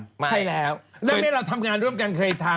ใช่แล้วเรื่องนี้เราทำงานร่วมกันเคยทำ